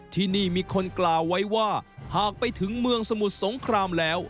ที่นี่มีคนกล่าวไว้ว่าหากไปถึงเมืองสมุทรสงครามแล้ว